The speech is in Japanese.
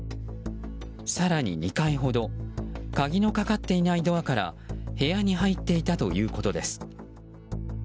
更に２回ほど鍵のかかっていないドアから部屋に入っていたということです。